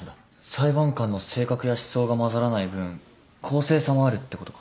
裁判官の性格や思想が混ざらない分公正さもあるってことか。